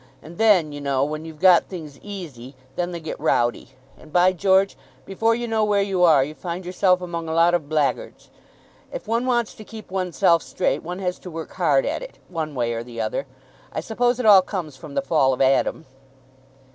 And then, you know, when you've got things easy, then they get rowdy; and, by George, before you know where you are, you find yourself among a lot of blackguards. If one wants to keep one's self straight, one has to work hard at it, one way or the other. I suppose it all comes from the fall of Adam."